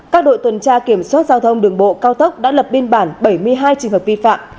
các đội tuần tra kiểm soát giao thông đường bộ cao tốc đã lập biên bản bảy mươi hai trường hợp vi phạm